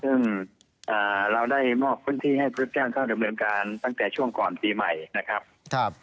ซึ่งเราได้มอบพื้นที่ให้พระเจ้าเข้าดำเนินการตั้งแต่ช่วงก่อนปีใหม่นะครับ